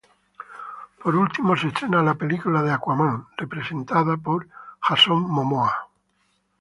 Por último, se estrena la película de Aquaman representado por Jason Momoa.